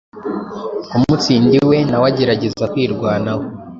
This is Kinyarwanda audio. kumutsinda iwe. Nawe agerageza kwirwanaho,